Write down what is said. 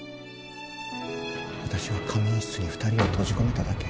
私は仮眠室に２人を閉じ込めただけ。